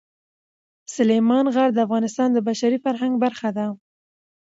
سلیمان غر د افغانستان د بشري فرهنګ برخه ده.